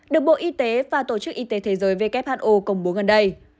được bộ y tế và tổ chức y tế thế giới who công bố gần đây